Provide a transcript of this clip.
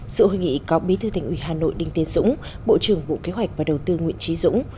sự hội nghị có bí thư thành ủy hà nội đinh tiến dũng bộ trưởng bộ kế hoạch và đầu tư nguyễn trí dũng